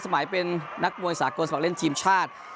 หมายเป็นนักมวยสากลสมัครเล่นทีมชาติ